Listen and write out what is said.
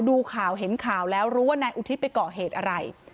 ดูข่าวเห็นข่าวแล้วรู้ว่านายอุทิศไปก่อเหตุอะไร